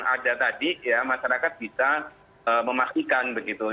ada tadi ya masyarakat bisa memastikan begitu